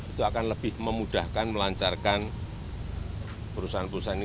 itu akan lebih memudahkan melancarkan perusahaan perusahaan ini